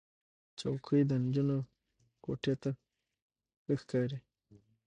چوکۍ د نجونو کوټې ته ښه ښکاري.